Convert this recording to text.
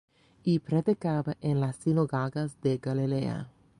Y predicaba en las sinagogas de Galilea.